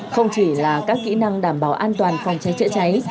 không chỉ là các kỹ năng đảm bảo an toàn phòng cháy chữa cháy